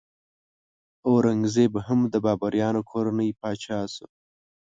اورنګ زیب هم د بابریانو کورنۍ پاچا شو.